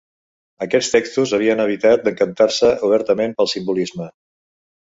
Aquests textos havien evitat decantar-se obertament pel simbolisme.